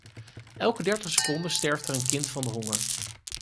Elke dertig seconden sterft er een kind van de honger.